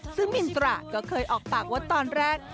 ซึ่งมินตราก็เคยออกปากว่าตอนแรก